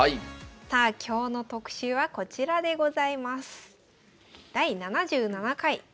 さあ今日の特集はこちらでございます。